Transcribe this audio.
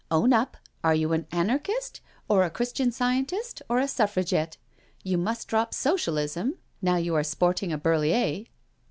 Own up — are you an Anarchist or a Christian Scientist or a Suffragette? You must drop Socialism now you are sporting a Berliet."